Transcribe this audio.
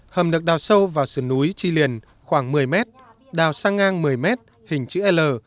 hầm được đào sâu vào sườn núi chi liền khoảng một mươi mét đào sang ngang một mươi mét hình chữ l